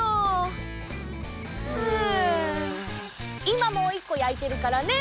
いまもういっこやいてるからね。